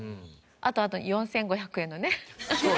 あと４５００円のね。